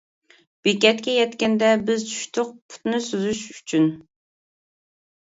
بېكەتكە يەتكەندە، بىز چۈشتۇق، پۇتنى سوزۇش ئۈچۈن.